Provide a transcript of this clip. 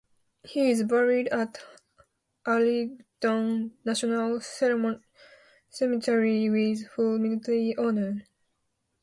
He is buried at Arlington National Cemetery with full military honors.